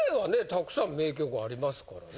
たくさん名曲ありますからね。